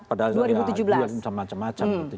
pada dua ribu tujuh belas macam macam gitu